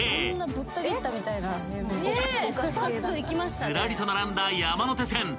［ずらりと並んだ山手線］